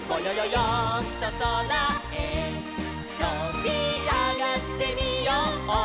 よんとそらへとびあがってみよう」